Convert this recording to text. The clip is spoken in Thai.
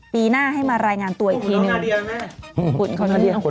ปีหน้าให้มารายงานตัวอีกทีหนึ่ง